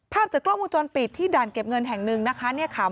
ภาพจากกล้องวงจรปิดที่ด่านเก็บเงินแห่งหนึ่งนะคะเนี่ยค่ะ